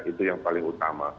itu yang paling utama